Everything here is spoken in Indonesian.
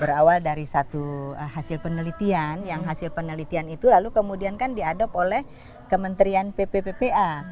berawal dari satu hasil penelitian yang hasil penelitian itu lalu kemudian kan diadopt oleh kementerian ppppa